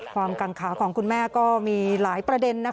กังขาของคุณแม่ก็มีหลายประเด็น